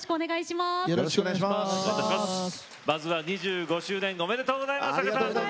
まずは２５周年おめでとうございます。